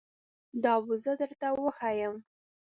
دا به زه درته وښایم